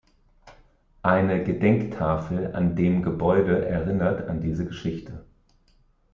Eine Gedenktafel an dem Gebäude erinnert an diese Geschichte.